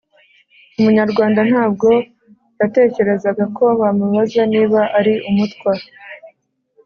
umunyarwanda ntabwo yatekerezaga ko bamubaza niba ari Umutwa,